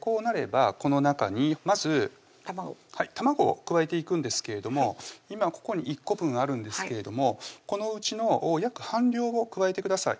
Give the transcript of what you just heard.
こうなればこの中にまず卵を加えていくんですけれども今ここに１個分あるんですけれどもこのうちの約半量を加えてください